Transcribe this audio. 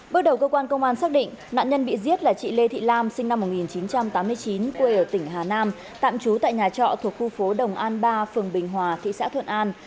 bước đầu cơ quan công an xác định nạn nhân bị giết là chị lê thị lam sinh năm một nghìn chín trăm tám mươi chín quê ở tỉnh hà nam tạm trú tại nhà trọ thuộc khu phố đồng an ba phường bình hòa thị xã thuận an